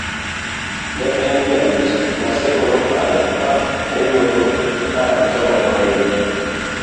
en ye jarit, Naseko noparo ka owuodho ka ochomo dhodno